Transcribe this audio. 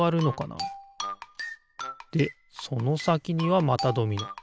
でそのさきにはまたドミノ。